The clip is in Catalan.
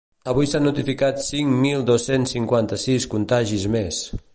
Avui s’han notificat cinc mil dos-cents cinquanta-sis contagis més.